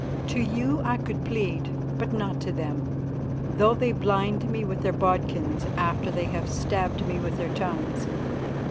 To you I could plead, but not to them, though they blind me with their bodkins after they have stabbed me with their tongues.